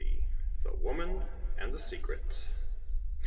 THE WOMAN AND THE SECRET.